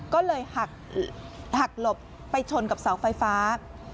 ก็เลยหักหลบไปชนกับเสาไฟฟ้า